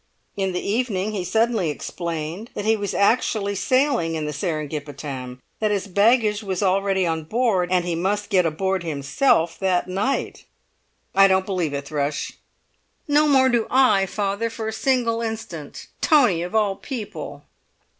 In the evening he suddenly explained that he was actually sailing in the Seringapatam, that his baggage was already on board, and he must get aboard himself that night!" "I don't believe it, Thrush." "No more do I, father, for a single instant. Tony, of all people!"